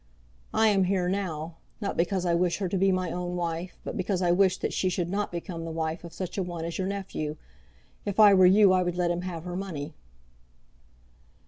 I am here now, not because I wish her to be my own wife, but because I wish that she should not become the wife of such a one as your nephew. If I were you I would let him have her money."